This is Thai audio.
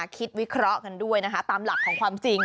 วิเคราะห์กันด้วยนะคะตามหลักของความจริง